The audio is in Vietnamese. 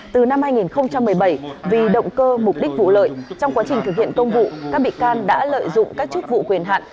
từ năm hai nghìn một mươi bảy vì động cơ mục đích vụ lợi trong quá trình thực hiện công vụ các bị can đã lợi dụng các chức vụ quyền hạn